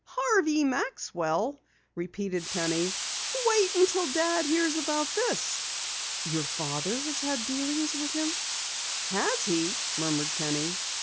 "Harvey Maxwell!" repeated Penny. "Wait until Dad hears about this!" "Your father has had dealings with him?" "Has he?" murmured Penny.